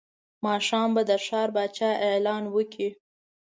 ماښام به د ښار پاچا اعلان وکړ.